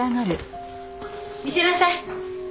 診せなさい。